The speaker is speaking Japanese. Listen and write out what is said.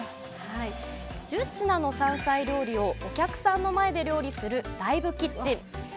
１０品の山菜料理をお客さんの前で料理するライブキッチン。